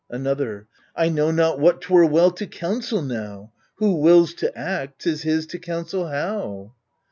Another I know not what 'twere well to counsel now — Who wills to act, 'tis his to counsel how.